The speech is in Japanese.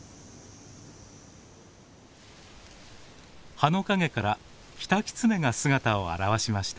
葉の陰からキタキツネが姿を現しました。